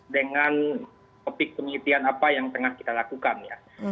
dengan topik penelitian apa yang tengah kita lakukan ya